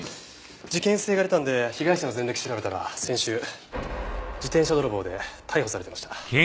事件性が出たんで被害者の前歴調べたら先週自転車泥棒で逮捕されてました。